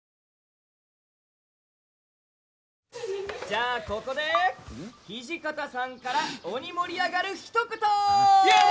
じゃあここで土方さんから鬼盛り上がるひと言！イエイ！